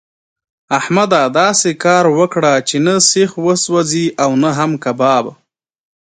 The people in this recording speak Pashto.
احمده! داسې کار وکړه چې نه سيخ وسوځي او نه هم کباب.